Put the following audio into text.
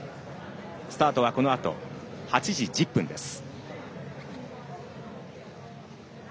スタートは、このあと８時１０分です。